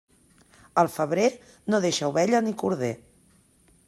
El febrer no deixa ovella ni corder.